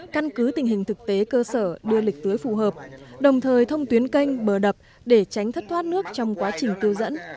căn cứ tình hình thực tế cơ sở đưa lịch tưới phù hợp đồng thời thông tuyến canh bờ đập để tránh thất thoát nước trong quá trình tư dẫn